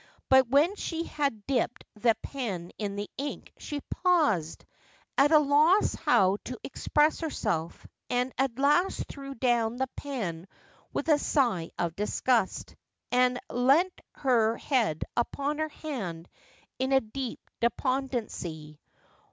But when she had dipped the pen in the ink she paused, at a loss how to express herself, and at last threw down the pen with a sigh of disgust, and leant her head upon her hand in deep despondency.